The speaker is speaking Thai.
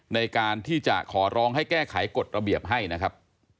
ในการที่จะขอร้องให้แก้ไขกฎระเบียบให้นะครับ